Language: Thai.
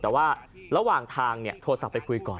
แต่ว่าระหว่างทางเนี่ยโทรศักดิ์ไปคุยก่อน